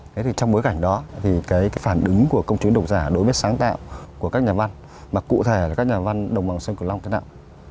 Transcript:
thế thì trong bối cảnh đó thì cái phản ứng của công chúng độc giả đối với sáng tạo của các nhà văn mà cụ thể là các nhà văn đồng bằng sông cửu long thế nào